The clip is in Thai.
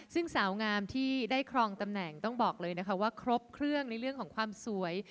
ซึ่งสาวงามที่ได้ครองตำแหน่งต้องบอกเลยนะคะว่าครบเครื่องในเรื่องของความสวย